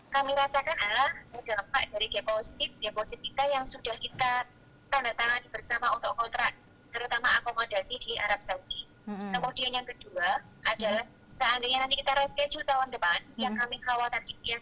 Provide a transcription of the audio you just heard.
kami rasakan adalah berdampak dari deposit deposit kita yang sudah kita tanda tangan bersama untuk kontrak